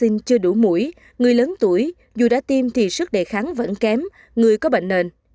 với những người có vaccine chưa đủ mũi người lớn tuổi dù đã tiêm thì sức đề kháng vẫn kém người có bệnh nền